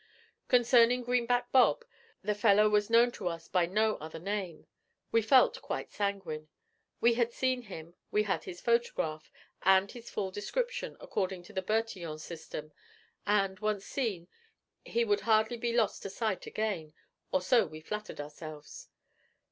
Concerning Greenback Bob the fellow was known to us by no other name we felt quite sanguine; we had seen him, we had his photograph and his full description according to the Bertillon system, and, once seen, he would hardly be lost to sight again, or so we flattered ourselves.